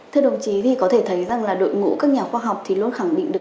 thưa đồng chí thì có thể thấy rằng là đội ngũ các nhà khoa học thì luôn khẳng định được